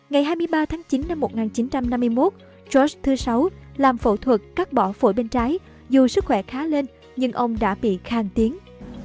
ngày hai mươi ba tháng chín năm một nghìn chín trăm năm mươi một george vi làm phẫu thuật cắt bỏ phổi bên trái dù sức khỏe khá lên nhưng ông đã bị khang tiếng